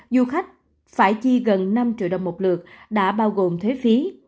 du khách phải chi gần năm triệu đồng một lượt đã bao gồm thuế phí